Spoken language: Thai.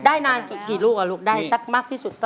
ได้นานกี่ลูกลูกได้สักมากที่สุด